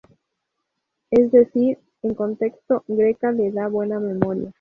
Es decir, en contexto, Greca, la de buena memoria.